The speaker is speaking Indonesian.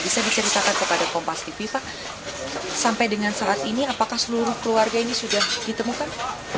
bisa diceritakan kepada kompas tv pak sampai dengan saat ini apakah seluruh keluarga ini sudah ditemukan